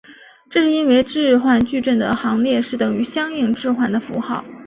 这是因为置换矩阵的行列式等于相应置换的符号。